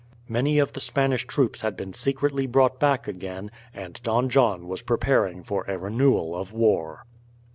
Many of the Spanish troops had been secretly brought back again, and Don John was preparing for a renewal of war.